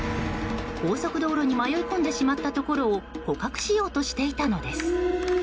高速道路に迷い込んでしまったところを捕獲しようとしていたのです。